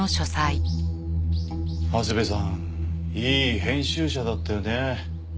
長谷部さんいい編集者だったよね。